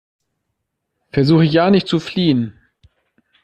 Versuche ja nicht zu fliehen!